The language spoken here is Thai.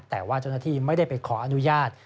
แต่ว่าเจ้าหน้าที่ไม่ได้ไปขออนุญาต